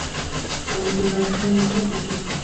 Але вы гэтага не зрабілі.